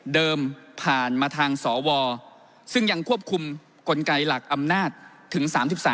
ผ่านมาทางสวซึ่งยังควบคุมกลไกหลักอำนาจถึง๓๓